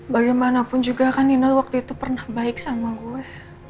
bagaimanapun juga kan nina waktu itu pernah baik sama gue